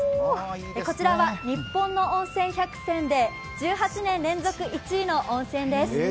こちらは日本の温泉１００選で１８年連続１位の温泉です。